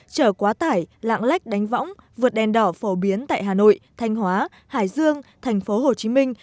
chở quá tải lạng lách đánh võng vượt đèn đỏ phổ biến tại hà nội thanh hóa hải dương thành phố hồ chí minh